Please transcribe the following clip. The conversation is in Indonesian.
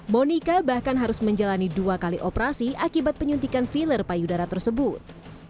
monika bahkan harus menjalani dua kali operasi akibat penyuntikan filler payudara tersebut